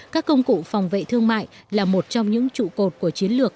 các công cụ phòng vệ thương mại là một trong những trụ cột của chiến lược